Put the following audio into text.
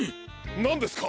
なんですか！？